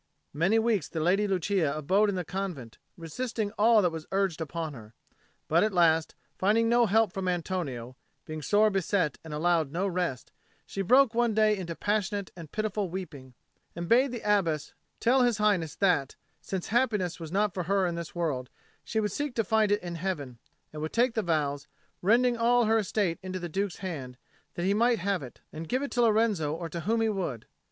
Many weeks the Lady Lucia abode in the convent, resisting all that was urged upon her. But at last, finding no help from Antonio, being sore beset and allowed no rest, she broke one day into passionate and pitiful weeping, and bade the Abbess tell His Highness that, since happiness was not for her in this world, she would seek to find it in Heaven, and would take the vows, rendering all her estate into the Duke's hand, that he might have it, and give it to Lorenzo or to whom he would.